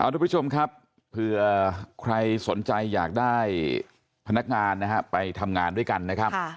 ทุกผู้ชมครับเผื่อใครสนใจอยากได้พนักงานนะฮะไปทำงานด้วยกันนะครับ